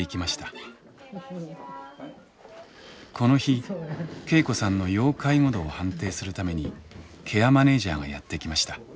この日恵子さんの要介護度を判定するためにケアマネージャーがやって来ました。